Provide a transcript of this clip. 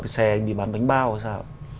ở cái xe anh đi bán bánh bao hay sao